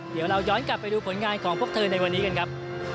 เดี๋ยวเราย้อนกลับไปดูผลงานของพวกเธอในวันนี้กันครับ